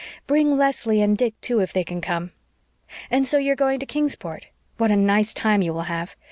"Bring Leslie and Dick, too, if they can come. And so you're going to Kingsport? What a nice time you will have.